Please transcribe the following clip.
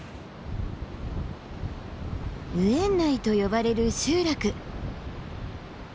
宇遠内と呼ばれる集落。